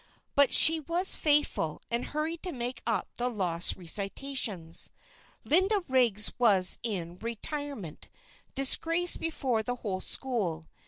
But she was faithful, and hurried to make up the lost recitations. Linda Riggs was in retirement, disgraced before the whole school.